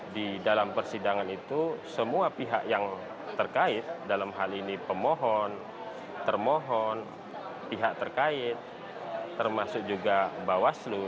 di dalam persidangan itu semua pihak yang terkait dalam hal ini pemohon termohon pihak terkait termasuk juga bawaslu